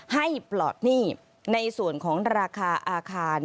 ปลอดหนี้ในส่วนของราคาอาคาร